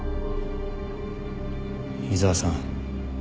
井沢さん。